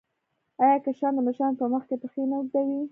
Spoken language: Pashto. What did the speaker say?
آیا کشران د مشرانو په مخ کې پښې نه اوږدوي؟